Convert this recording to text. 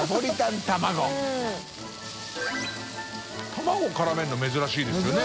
卵からめるの珍しいですよね